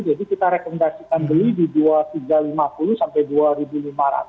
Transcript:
jadi kita rekomendasikan beli di rp dua tiga ratus lima puluh sampai rp dua lima ratus